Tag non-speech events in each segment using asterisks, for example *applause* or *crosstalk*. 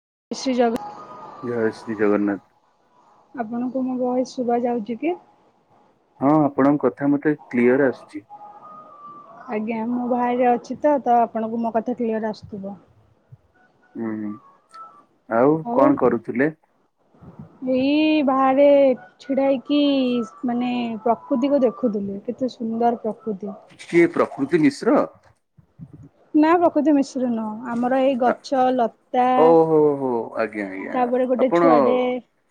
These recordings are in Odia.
*unintelligible* ଜୟ ଶ୍ରୀ ଜଗନ୍ନାଥ। ଆପଣଙ୍କୁ ମୋ ଭଏସ ଶୁଭା ଯାଉଛି କି? ହଁ ଆପଣଙ୍କ କଥା ମତେ କ୍ଲିଅର ଆସୁଛି। ଆଜ୍ଞା ମୁଁ ବାହାରେ ଅଛି ତ ତ ଆପଣଙ୍କୁ ମୋ କଥା କ୍ଲିୟର ଆସୁଥିବ। ହୁଁ ହୁଁ ଆଉ କଣ କରୁଥିଲେ? ଏ ଛିଡା ହେଇକି ମାନେ ପ୍ରକୃତିକୁ ଦେଖୁଥିଲେ କେତେ ସୁନ୍ଦର ପ୍ରକ କୃତି କୃତି ମିଶ୍ର ରେ ନ ଆମର ଏଇ ଆ- ଗଛ ଲତା ଓହୋ ହୋ ଆଜ୍ଞା ଆଜ୍ଞା। ତାପରେ ଗୋଟେ ଆପଣ ଛୁଆଟେ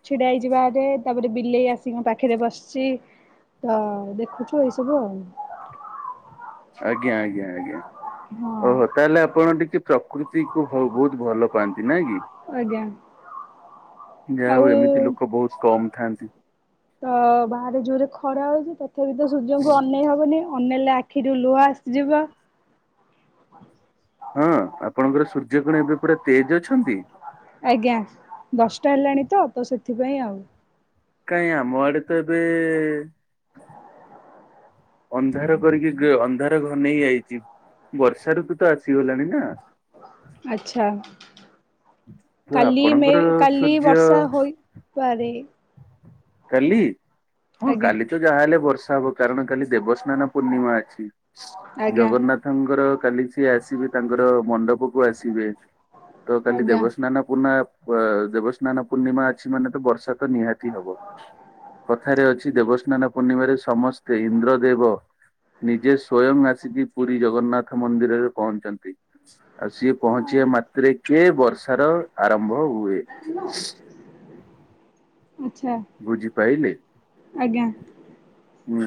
ଛିଡ଼ା ହେଇଯିବାରେ ତାପରେ ବିଲେଇ ଆସିିକି ମୋ ପାଖରେ ବସିଛି ତ ଦେଖୁଛୁ ଏଇ ସବୁ ଆଉ *inaudible* ଆଜ୍ଞା ଆଜ୍ଞା ଆଜ୍ଞା ହଁ ଓହୋ ତାହେଲେ ଆପଣ ଟିକେ ପ୍ରକୃତିକୁ ବହୁତ ଭଲ ପାଆନ୍ତି ନାଇଁ କି। ଆଜ୍ଞା ଯାହା ହଉ ଏମିତି ଆଉ ଲୋକ ବହୁତ କମ୍ ଥାଆନ୍ତି ତ ବାହାରେ ଜୋରେ ଖରା ହଉଛି ତଥାପି ତ ସୂର୍ଯ୍ୟଙ୍କୁ ଅନେଇ ହବନି ଅନେଇଲେ ଆଖିରୁ ଲୁହ ଆସିଯିବ। ହଁ ଆପଣଙ୍କର ସୂର୍ଯ୍ୟ କଣ ଏବେ ପୁରା ତେଜ ଅଛନ୍ତି? ଆଜ୍ଞା ଦଶଟା ହେଲାଣି ତ ତ ସେଥିପାଇଁ ଆଉ। କାଇଁ ଆମ ଆଡେ ତ ଏବେ ଅନ୍ଧାର କରିକି ଗ ଅନ୍ଧାର ଘନ ନେଇ ଆଇଚି। ବର୍ଷାାରୁଋ ତୁ ତ ଆସିଗଲାଣି ନା ଆଚ୍ଛା ତ କାଲି ମେ ଆପଣଙ୍କର କାଲି ବର୍ଷା ସୂର୍ଯ୍ୟ ହୋଇପାରେ କାଲି ହଁ ଆଜ୍ଞା କାଲି ତ ଯାହା ହେଲେ ବର୍ଷ ବର୍ଷା ହବ କାରଣ କାଲି ଦେବସ୍ନାନ ପୂର୍ଣ୍ଣିମା ଅଛି। ଆଜ୍ଞା ଜଗନ୍ନାଥଙ୍କର କାଲି ସିଏ ଆସିବେ ତାଙ୍କର ମଣ୍ଡପ କୁ ଆସିବେ ତ କାଲି ଆଜ୍ଞା ଦେବସ୍ନାନ ପୂର୍ଣ୍ଣିମା। ଦେବସ୍ନାନ ପୂର୍ଣ୍ଣିମା ଅଛି ମାନେ ତ ବର୍ଷା ତ ନିହାତି ହବ। କଥାରେ ଅଛି ଦେବସ୍ନାନ ପୂର୍ଣ୍ଣିମାରେ ସମସ୍ତେ ଇନ୍ଦ୍ରଦେବ ନିଜେ ସ୍ୱୟଂ ଆସିକି ପୁରୀ ଜଗନ୍ନାଥ ମନ୍ଦିରରେ ପହଞ୍ଚନ୍ତି। ଆଉ ସିଏ ପହଞ୍ଚିବା ମାତ୍ରେ କିଏ ବର୍ଷାର ଆରମ୍ଭ ହୁଏ। *inaudible* ଆଚ୍ଛା ବୁଝି ପାଇଲେ। *inaudible* ହୁଁ।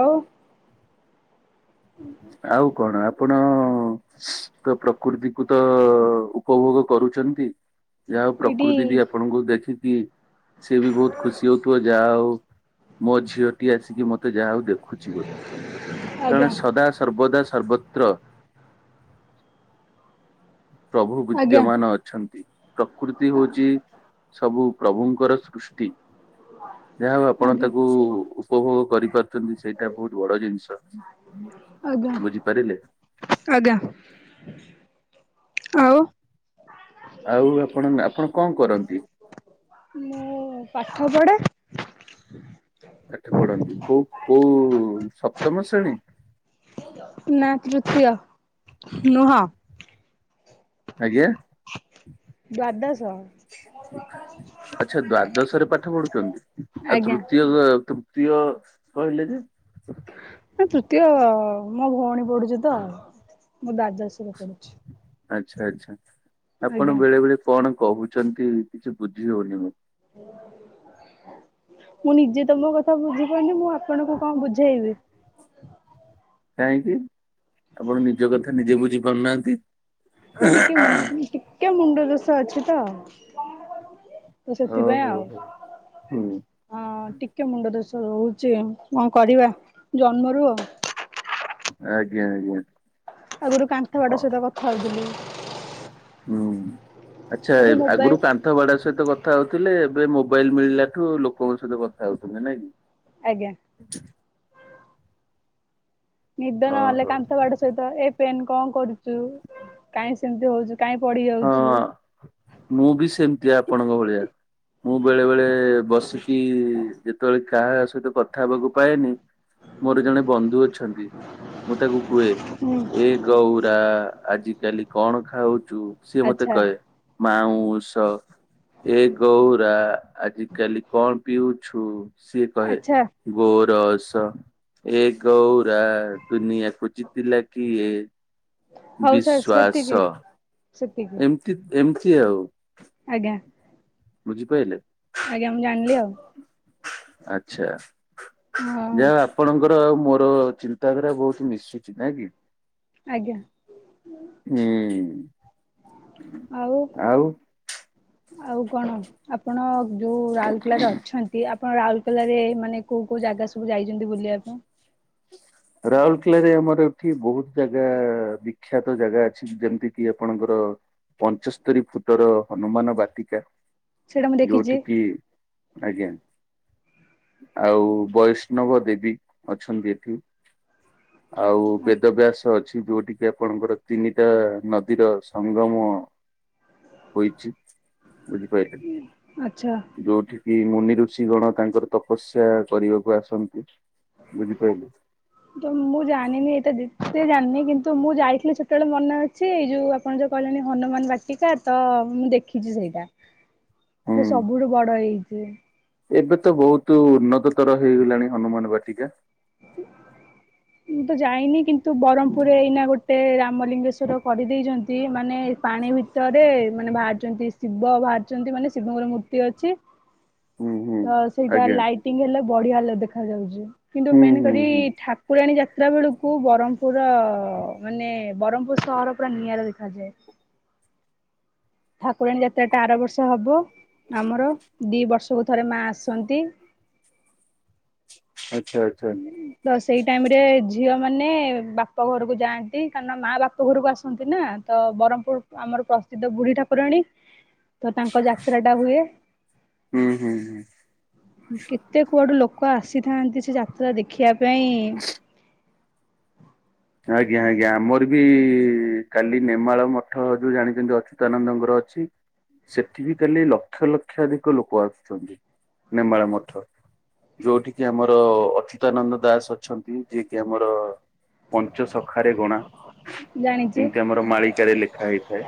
ଆଉ ଆଉ କଣ ଆପଣ ତ ପ୍ରକୃତିକୁତ ଉପଭୋଗ କରୁ ପୂଛନ୍ତି। ଯାହା ହଉ ଏଇଠି ପ୍ରକୃତି ବି ଆପଣଙ୍କୁ ଦେଖିକି ସେବି ବହୁତ ଖୁସି ହଉଥିବ ଯାହା ହଉ। ମୋ ଝିଅଟି ଆସିକି ମତେ ଯାହା ହଉ ଦେଖୁଛି ବୋଲି *inaudible* କାରଣ ଆଜ୍ଞା ସଦା ସର୍ବଦା ସର୍ବତ୍ର *inaudible* ପ୍ରଭୁ ଆଜ୍ଞା ବିଦ୍ୟମାନ ଅଛନ୍ତି। ପ୍ରକୃତି ହଉଛି ସବୁ ପ୍ରଭୁଙ୍କର ସୃଷ୍ଟି। *inaudible* ଯାହା ହଉ ଆପଣ ଆଜ୍ଞା ତାକୁ ଉପଭୋଗ କରିପାରୁଛନ୍ତି। ସେଇଟା ବହୁତ ବଡ଼ ଜିନିଷ। ଆଜ୍ଞା ବୁଝିପାରିଲେ *inaudible* ଆଜ୍ଞା। *inaudible* ଆଉ? ଆଉ ଆପଣ-ଆପଣ କଣ କରନ୍ତି? ମୁଁ ପାଠ ପଢ଼େ ପାଠ ପଢ଼ନ୍ତି କୋଉ କୋଉ ସପ୍ତମ ଶ୍ରେଣୀ। *inaudible* ନାଁ ତୃତୀୟ *inaudible* ନୁହଁ। ଆଜ୍ଞା। *inaudible* ଦ୍ୱାଦଶ। *inaudible* ଆଚ୍ଛା ଦ୍ଵାଦଶ ରେ ପାଠ ପଢୁଛନ୍ତି। ଆଉ ଆଜ୍ଞା ତୃତୀୟ-ତୃ ପ୍ରିୟ କହିଲେ ଯେ ତୃତୀୟ ମୋ ଭଉଣୀ ପଢୁଛି ତ। ମୁଁ ଦ୍ୱାଦଶ ରେ ପଢୁଛି। ଆଚ୍ଛା ଆଚ୍ଛା ଆପଣ ଆଜ୍ଞା ବେଳେ ବେଳେ କଣ କହୁଛନ୍ତି। କିଛି ବୁଝି ହଉନି ମୁଁ *inaudible* ମୁଁ ନିଜେ ତମ କଥା ବୁଝିପାରୁନି ମୁଁ ଆପଣଙ୍କୁ କଣ ବୁଝେଇବି। ହ *inaudible* କାହିଁକି ଆପଣ ନିଜ କଥା ନିଜେ ବୁଝି ପାରୁନାହାନ୍ତି? ନା ଟିକେ ଟିକେ ମୁଣ୍ଡ ଦୋଷ ଅଛି ତ *inaudible* ତ ସେଥିପାଇଁ ଓହୋ ଆଉ ହୋ ହୁଁ *inaudible* ହଁ ଟିକେ ମୁଣ୍ଡ ଦୋଷ ରହୁଛି କଣ କରିବା ଜନ୍ମରୁ ଆଉ ଆଜ୍ଞା ଆଜ୍ଞା। ଆଗରୁ କାନ୍ଥବାଡ଼ ହଁ ସହିତ କଥା ହଉଥିଲି। ହୁଁ। ଆଚ୍ଛା ଏବେ ମୋବାଇଲ ଆଗରୁ କାନ୍ଥବାଡ଼ ସହିତ କ କଥା ହଉଥିଲେ ଏବେ ମୋବାଇଲ ମିଳିଲାଠୁ ଲୋକଙ୍କ ସହିତ କଥା ହଉଛନ୍ତି ନାଇଁ କି? ଆଜ୍ଞା। ନିଦ ନହେଲେ ଓହୋ କାନ୍ଥବାଡ଼ ସହିତ ଏ ପେନ୍ କଣ କରୁଛୁ କାହିଁ ସେମିତି ହଉଚୁ। ପଡି ଯାଉଛୁ। ହଁ ମୁଁ ବି ସେମିତି ଆପଣଙ୍କ ଭଳିଆ। ମୁଁ ବେଳେ ବେଳେ ବସିକି ଯେତେବେଳେ କାହା ସହିତ କଥା ହେବାକୁ ପାଏନି। ମୋର ଜଣେ ବନ୍ଧୁ ଅଛନ୍ତି। ମୁଁ ତାକୁ କୁହେ ହୁଁ ଏ ଗୌରା ଆଜି କାଲି କଣ ଖାଉଛୁ ସିଏ ମତେ ଆଚ୍ଛା କହେ ମାଉଁସ ଏ ଗଉରା ଆଜିକାଲି କଣ ପିଉଛୁ ସିଏ କହେ ଆଚ୍ଛା ଗୋ ରଶ ଏ ଗୌରା ଦୁନିଆକୁ ଜିତିଲା କିଏ ହଉ ସାର୍ ସେତିକି ବିଶ୍ଵାସ ସେତିକି ଏମତି ଏମିତି ଆଉ। ଆଜ୍ଞା। ବୁଝିପାଇଲେ? ଆଜ୍ଞା ମୁଁ ଜାଣିଲି ଆଉ। ଆଛା ହଁ ଯାହା ହଉ ଆପଣଙ୍କର ମୋର ଚିନ୍ତାଧାରା ବହୁତ ମିଶୁଛି ନାଇଁ କି? ଆଜ୍ଞା। ହୁଁ ଆଉ ଆଉ କଣ ଆପଣ ଯୋଉ ରାଉରକେଲାରେ ଅଛନ୍ତି ଆପଣ ରାଉରକେଲାରେ ମାନେ କୋଉ କୋଉ ଜାଗା ସବୁ ଯାଇଛନ୍ତି ବୁଲିବା ପାଇଁ? ରାଉରକେଲାରେ ଆମର ଏଠି ବହୁତ ଜାଗା ବିଖ୍ୟାତ ଜାଗା ଅଛି ଯେମିତି କିି ଆପଣଙ୍କର ପଞ୍ଚସ୍ତରୀ ଫୁଟର ହନୁମାନ ବାଟିକା। ସେଇଟା ମୁଁ ଦେଖିଛି ଯୋଉଠିକି ଆଜ୍ଞା। ଆଉ ବୈଷ୍ଣବ ଦେବୀ ଅଛନ୍ତି ଏଠି। ଆଉ ବେଦ ବ୍ୟାସ ଅଛି। ଯୋଉଠିକ କି ଆପଣଙ୍କର ତିନିଟା ନଦୀର ସଙ୍ଗମ। ହୋଇଛି ବୁଝି ପାରିଲେ ଆଚ୍ଛା ଯୋଉଠି କି ମୁନି ଋଷି ଗଣ ତାଙ୍କର ତପସ୍ୟା କରିବାକୁ ଆସନ୍ତି ବୁଝିପାରିଲେ। ତ ମୁଁ ଜାଣିନି ଏଇଟା ଯେତେ ଜାଣିନି କିନ୍ତୁ ମୁଁ ଯାଇଥିଲି ସେତେବେଳେ ମନେ ଅଛି ଏଇ ଯୋଉ ଆପଣ କହିଲେଣି ହନୁମାନ ବାଟିକା ତ ମୁଁ ଦେଖିଛି ସେଇଟା। *inaudible* ସେ ସବୁଠୁ ବଡ ହେଇଛି। ଏବେ ତ ବହୁତ ଉନ୍ନତତର ହେଇଗଲାଣି ହନୁମାନ ବାଟିକା। ମୁଁ ତ ଯାଇନି କିନ୍ତୁ ବ୍ରହ୍ମପୁରରେ ଏଇନା ଗୋଟେ ରାମଲିଙ୍ଗେଶ୍ଵର କରିଦେଇଛନ୍ତି ମାନେ ପାଣି ବି ଭିତରେ ମାନେ ବାହାରିଛନ୍ତି ଶିବ ବାହାରିଛନ୍ତି ମାନେ ଶିବଙ୍କର ମୂର୍ତ୍ତି ଅଛି। ହୁଁ ହୁଁ। ତ ସେଇଟା ଆଜ୍ଞା ଲାଇଟିଙ୍ଗ ହେଲେ ବଢିଆ ଦେଖାାଯାଉଛି। କିନ୍ତୁ ହୁଁ ମେନ୍ ହୁଁ କରି ହୁଁ ଠାକୁରାଣୀ ଯାତ୍ରା ବେଳକୁ ବ୍ରହ୍ମପୁରର ମାନେ ବ୍ରହ୍ମପୁର ସହର ପୁରା ନିଆରା ଦେଖାଯାଏ। ଠାକୁରାଣୀ ଯାତ୍ରା ଟା ଆର ବର୍ଷ ହବ। ଆମର ଦି ବର୍ଷକୁ ଥରେ ମା ଆସନ୍ତି। ଆଛା ଆଛା। ତ ସେଇ ଟାଇମ ରେ ଝିଅମାନେ ବାପ ଘରକୁ ଯାଆନ୍ତି କାରଣ ମା ବାପ ଘରକୁ ଆସନ୍ତି ନା ତ ବ୍ରହ୍ମପୁର ଆମର ପ୍ରସିଦ୍ଧ ବୁଢୀ ଠାକୁରାଣୀ ତ ତାଙ୍କ ଯାତ୍ରା ଟା ହୁଏ। ହୁଁ ହୁଁ ହୁଁ। କେତେ କୁଆଡୁ ଲୋକ ଆସିଥାନ୍ତି ସେ ଯାତ୍ରା ଦେଖିବା ପାଇଁ। ଆଜ୍ଞା ଆଜ୍ଞା ଆମର ବି କାଲି ନେମାଳ ମଠ ଯୋଉ ଜାଣିଛନ୍ତି ଅଚ୍ୟୁତାନନ୍ଦଙ୍କର ଅଛି। ସେଠି ବିି କାଲି ଲକ୍ଷ ଲକ୍ଷାଧିକ ଲୋକ ଆସୁଛନ୍ତି ନେମାଳ ମଧ୍ୟ ଯୋଉଠ କିି ଆମର ଅଚ୍ୟୁତାନନ୍ଦ ଦାସ ଅଛନ୍ତି ଯିଏ କିି ଆମର ପଞ୍ଚ ସଖାରେ ଗଣା ଜାଣିଛି ଯେମିତି ଆମର ମାଳିକାରେ ଲେଖା ହେଇଥାଏ।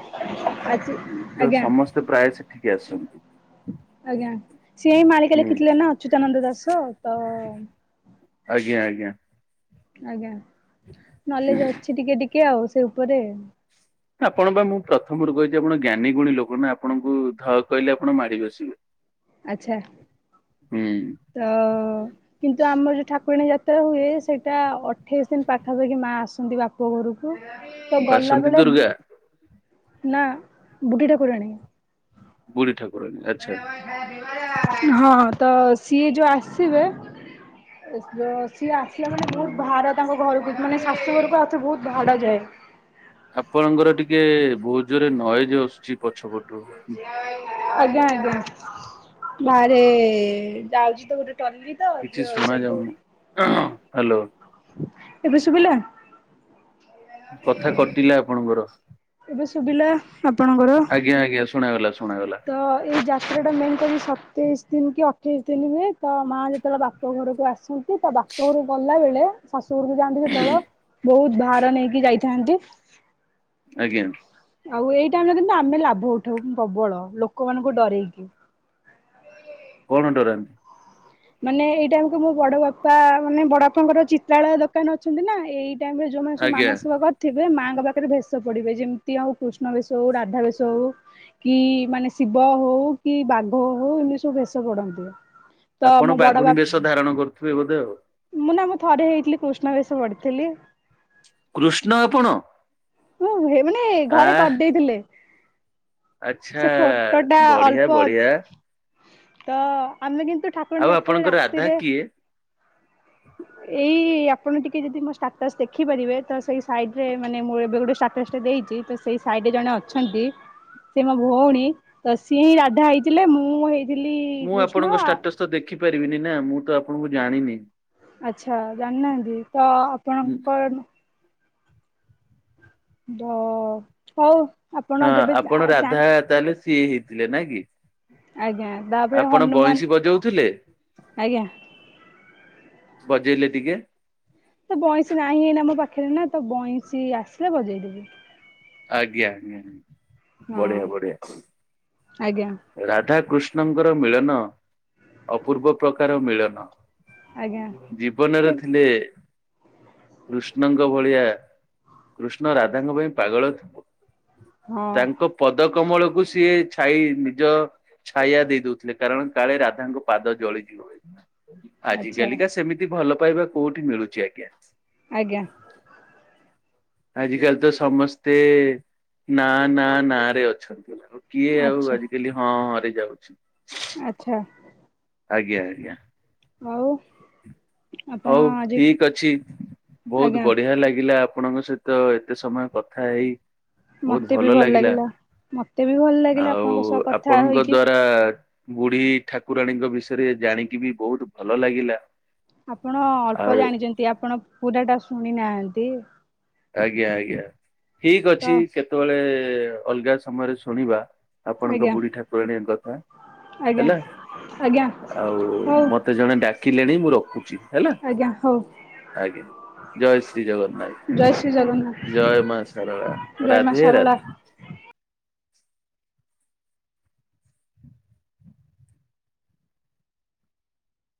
ଆଜି ତ ଆଜ୍ଞା ସମସ୍ତେ ପ୍ରାୟ ସେଠିକି ଆସନ୍ତି। ଆଜ୍ଞା ସିଏ ହି ମାଳିକା ହୁଁ ଲେଖିଥିଲେ ନା ଅଚ୍ୟୁତାନନ୍ଦ ଦାସ ତ ଆଜ୍ଞା ଆଜ୍ଞା। ଆଜ୍ଞା ନଲେଜ ଅଛି ଟିକେ ଟିକେ ଆଉ ସେ ଉପରେ। ଆପଣ ପାଇଁ ମୁଁ ପ୍ରଥମରୁ କହିଛି ଆପଣ ଜ୍ଞାନୀ ଗୁଣୀ ଲୋକ ନା ଆପଣଙ୍କୁ ଧ କହିଲେ ଆପଣ ମାଡି ବସିବେ। ଆଛା ହୁଁ ତ କିନ୍ତୁ ଆମର ଯୋଉ ଠାକୁରଣୀ ଯା ତ ହୁଏ ସେଇଟା ଅଠେଇଶି ଦିନ ପାଖାପାଖି ମା ଆସନ୍ତି ବାପ ଘରକୁ ତ ଗଲା ବାସନ୍ତୀ ବେଳେ ଦୁର୍ଗା ନା ବୁଢ଼ୀ ଠାକୁରଣୀ *unintelligible* ହଁ ତ ସିଏ ଯୋଉଁ ଆସିବ ସିଏ ଆସିଲେ ମାନେ ବହୁତ ବାହାରେ ତାଙ୍କ ଘରକୁ ମାନେ ଶାଶୁ ଘରକୁ ଆଉଥରେ ବହୁତ ଭଡା ଯାଏ। ଆପଣଙ୍କର ଟିକେ ବହୁତ ଜୋରେ ନଏଜ ଆସୁଛି ପଛ ପଟୁ। ଆଜ୍ଞା ଆଜ୍ଞା ବାହାରେ ଯାଉଛି ତ ଗୋଟେ ଟଲି ତ କିଛି ଶୁଣା ସେଇ ତ ଯାଉନି ହ୍ୟାଲୋ ଏବେ ଶୁଭିଲା? କଥା କଟିଲା ଆପଣଙ୍କର ଏବେ ଶୁଭିଲା ଆପଣଙ୍କର? ଆଜ୍ଞା ଆଜ୍ଞା ଶୁଣାଗଲା ଶୁଣାଗଲା ତ ଏଇ ଯାତ୍ରା ଟା ମେନକରି ସ ତେଇଶି ଦିନି କି ଅଠେଇଶି ଦିନି ହୁଏ ତ ମା ଯେତେବେଳେ ବାପ ଘରକୁ ଆସନ୍ତି ତା ବାପ ଘରୁ ଗଲାବେଳେ ଶାଶୁଘରକୁ ଯାଆନ୍ତି। ସେତେବେଳେ ବହୁତ ଭାର ନେଇକି ଯାଇଥାନ୍ତି। ଆଜ୍ଞା। ଆଉ ଏଇ ଟାଇମ ରେ କିନ୍ତୁ ଆମେ ଲାଭ ଉଠାଉ ପ୍ରବଳ ଲୋକମାନଙ୍କୁ ଡରେଇକି। କଣ ଡରାନ୍ତି। ମାନେ ଏଇ ଟାଇମ କୁ ମୋ ବଡ଼ବାପା ମାନେ ବଡ଼ବାପାଙ୍କର ଚିତ୍ରାଳୟ ଦୋକାନ ଅଛନ୍ତି ନା ଏଇ ଏଇ ଟାଇମ ରେ ଯେଉଁମାନେ ସବୁ ଆଜ୍ଞା ମାନସିକ କରିଥିବେ ମାଙ୍କୁ ଙ୍କ ପାଖରେ ବେଶ ପଡିବେ ଯେମତି ହଉ କୃଷ୍ଣ ବେଶ ହଉ ରାଧା ବେଶ ହଉ କି ମାନେ ଶିବ ହଉ ହଉ କି ବାଘ ହଉ ଏମିତି ସବୁ ଭେଷ ପଡନ୍ତି। ତ ଆପଣ ମୋ ବଡ ବାଘୁଣୀ ବାପା ବେଶ ଧାରଣ କରୁଥିବେ ବୋଧେ ଆଉ? ମୁଁ ନା ମୁଁ ଥରେ ହେଇଥିଲି କୃଷ୍ଣ ବେଶ ପଡ଼ିଥିଲି। କୃଷ୍ଣ ଆପଣ? ମୁଁ ହେଇନି ଆ ଘରେ କରିଦେଇଥିଲେ। ଆଚ୍ଛା ସେ ଫଟୋ ଟା ବଢିଆ ଅଳ୍ପ ବଢିଆ ଅଛି। ତ ଆମେ କିନ୍ତୁ ତ ଆଉ ଠାକୁରାଣୀ ଆପଣଙ୍କ ଯାତ୍ରାରେ ରାଧା ରାତିରେ କିଏ? *unintelligible* ଏଇ ଆପଣ ଟିକେ ଯଦି ମୋ ଷ୍ଟାଟସ ଦେଖିପାରିବେ। ତ ସେଇ ସାଇଡ ରେ ମାନେ ମୁଁ ଏବେ ଗୋଟେ ଷ୍ଟାଟସ୍ ଟେ ଦେଇଛି। ତ ସେଇ ସାଇଡିରେ ଜଣେ ଅଛନ୍ତି। ସେ ମୋ ଭଉଣୀ ତ ସିଏ ହିଁ ରାଧା ହେଇଥିଲେ। ମୁଁ ହେଇ ମୁଁ ଆପଣଙ୍କ ଷ୍ଟାଟସ୍ ତ ଦେଖିପାରିବିନି ନା ମୁଁ ତ ଆପଣଙ୍କୁ ଜାଣିନି। ଆଛା ଜାଣିନାହାନ୍ତି ତ ହଁ ଆପଣଙ୍କର ଓ ହଉ ଆପଣ ହଁ ଯେବେ ଚା ଆପଣ ଚା ରାଧା ତାହେଲେ ସିଏ ହେଇଥିଲେ। ନା କି? ଆଜ୍ଞା ତାପରେ ଆପଣ ହନୁମାନ ବଇଁଶୀ ବଜଉଥିଲେ? ଆଜ୍ଞା ବଜେଇଲେ ଟିକେ। ତ ବଇଁଶୀ ନାହିଁ ଏଇନା ମୋ ପାଖରେ ନା ତ ବଇଁଶୀ ଆସିଲେ ବଜେଇଦେବି। ଆଜ୍ଞା ଆଜ୍ଞା ହଁ ବଢ଼ିଆ ବଢ଼ିଆ। ଆଜ୍ଞା ରାଧାକୃଷ୍ଣଙ୍କର ମିଳନ ଅପୂର୍ବ ପ୍ରକାର ମିଳନ। ଆଜ୍ଞା କି ଜୀବନରେ ଥିଲେ। କୃଷ୍ଣଙ୍କ ଭଳିଆ କୃଷ୍ଣ ରାଧାଙ୍କ ପାଇଁ ପାଗଳ ଥିବ ହଁ ତାଙ୍କ ପଦ କମଳକୁ ସିଏ ଛାଇ ନିଜ ଛାୟା ଦେଇ ଦଉଥିଲେ କାରଣ କାଳେ ରାଧାଙ୍କ ପାଦ ଜଳିଯିବ। ଆଜି ଆଚ୍ଛା କାଲିକା ସେମିତି ଭଲ ପାଇବା କୋଉଁଠି ମିଳୁଛି ଆଜ୍ଞା। ଆଜ୍ଞା। ଆଜି କାଲି ତ ସମସ୍ତେ ନାଁ ନାଁ ନାଁ ରେ ଅଛନ୍ତି। କିଏ ଆଉ ଆଜିକାଲି ହଁ ହଁ ରେ ଯାଉଛି। ଆଛା। ଆଜ୍ଞା ଆଜ୍ଞା। ଆଉ ଆପଣ ହଉ ଆଜି ଠିକ ଅଛି ବହୁତ ଆଜ୍ଞା ବଢିଆ ଲାଗିଲା ଆ ଆପଣଙ୍କ ସହିତ ଏତେ ସମୟ କଥାହେଇ ବୋହୁତ ଭଲ ଲାଗିଲା। ମତେ ବି ଭଲ ଲାଗିଲା ଆଉ ଆପଣଙ୍କ ସହ କଥା ଆପଣଙ୍କ ହେଇକି ଦ୍ଵାରା ବୁଢୀ ଠାକୁରାଣୀଙ୍କ ବି ବିଷୟରେ ଜାଣିକି ବି ବୋହୁତ ଭଲ ଲାଗିଲା। ଆପଣ ଅଳ୍ପ ଆଉ ଜାଣିଚନ୍ତି ଆପଣ ପୁରାଟା ଶୁଣିନାହାନ୍ତି। ଆଜ୍ଞା ଆଜ୍ଞା ତ ଠିକଅଛି ସେତେବେଳେ ଅଲଗା ସମୟରେ ଶୁଣିବା। ଆପଣଙ୍କ ଆଜ୍ଞା ବୁଢୀ ଠାକୁରାଣୀଙ୍କ କଥା। ଆଜ୍ଞା ହେଲା? ଆଜ୍ଞା ଆଉ ହଉ ମତେ ଜଣେ ଡାକିଲେଣି ମୁଁ ରଖୁଚି। ଆଜ୍ଞା ହୋଉ। ଜୟେ ଜଗନ୍ନାଥ ଶ୍ରୀଜଗନ୍ନାଥ। ଜୟ ମାଆ ସାରଳା ଜୟ ମା ରାଧେ ଶାରଳା। ରାଧେ।